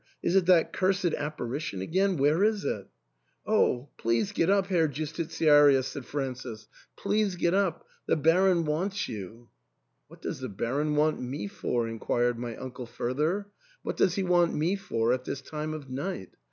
Is it that cursed apparition again ? where is it ?" "Oh! please get up, Herr Justitiarius," said Francis. THE ENTAIL. 259 "Please get up ; the Baron wants you. "What does the Baron want me for ?" inquired my uncle further ; "what does he want me for at this time of night